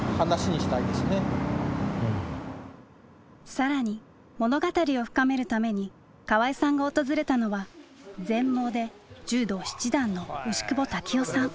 更に物語を深めるために河合さんが訪れたのは全盲で柔道七段の牛窪多喜男さん。